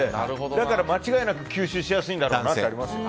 だから間違いなく吸収しやすいんだろうなと思います。